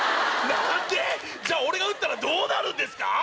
じゃあ俺が撃ったらどうなるんですか？